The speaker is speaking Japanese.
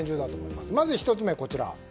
まず１つ目がこちら。